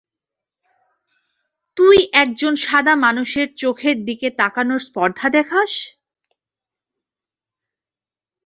তুই একজন সাদা মানুষের চোখের দিকে তাকানোর স্পর্ধা দেখাস?